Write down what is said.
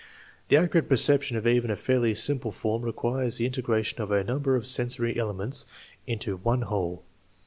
The accurate perception of even a fairly simple form requires the integration of a number of sensory elements into one whole.